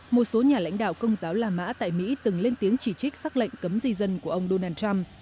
một số nhà lãnh đạo công giáo la mã tại mỹ từng lên tiếng chỉ trích xác lệnh cấm di dân của ông donald trump